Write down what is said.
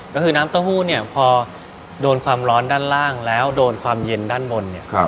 ก็คือน้ำเต้าหู้เนี่ยพอโดนความร้อนด้านล่างแล้วโดนความเย็นด้านบนเนี่ย